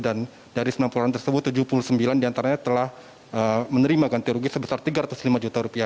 dan dari sembilan puluh orang tersebut tujuh puluh sembilan diantaranya telah menerima ganti rugi sebesar rp tiga ratus lima juta